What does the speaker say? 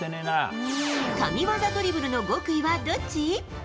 神技ドリブルの極意はどっち？